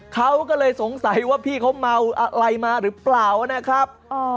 เขาก็เลยสงสัยว่าพี่เขาเมาอะไรมาหรือเปล่านะครับ